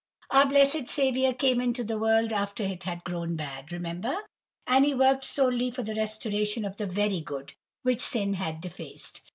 Our blessed Saviour came into the world after it had grown bad, remember; and He worked solely for the restoration of the 'very good,' which sin had defaced.